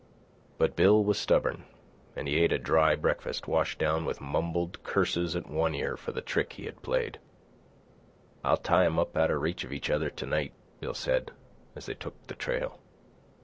But Bill was stubborn, and he ate a dry breakfast washed down with mumbled curses at One Ear for the trick he had played. "I'll tie 'em up out of reach of each other to night," Bill said, as they took the trail.